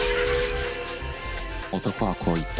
男はこう言った。